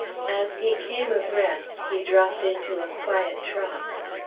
As he came abreast, he dropped into a quiet trot.